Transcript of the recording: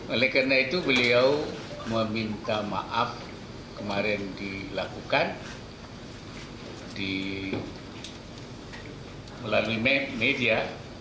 oleh karena itu beliau meminta maaf kemarin dilakukan melalui media